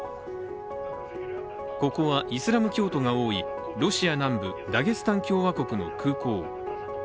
ここはイスラム教徒が多いロシア南部ダゲスタン共和国の空港。